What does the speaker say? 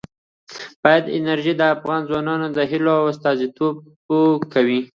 بادي انرژي د افغان ځوانانو د هیلو استازیتوب کوي.